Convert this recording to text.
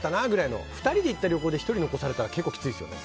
でも、２人で行ってて１人残されたら結構きついですよね。